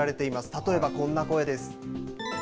例えばこんな声です。